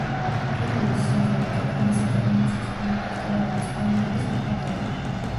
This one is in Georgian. პრემიის სეზარი და კანისა და ვენეციის კინოფესტივალების პრემიების მფლობელი.